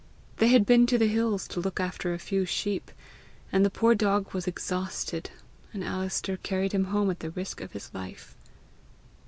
They had been to the hills to look after a few sheep, and the poor dog was exhausted, and Alister carried him home at the risk of his life."